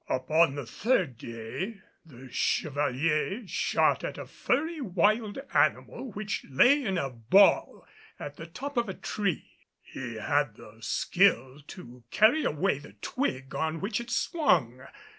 Upon the third day the Chevalier shot at a furry wild animal which lay in a ball at the top of a tree. He had the skill to carry away the twig on which it swung.